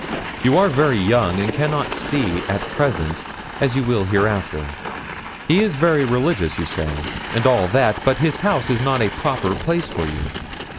'You are very young, and cannot see it at present, as you will hereafter. He is very religious, you say, and all that, but his house is not a proper place for you.